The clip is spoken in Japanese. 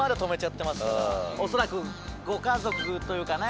恐らくご家族というかね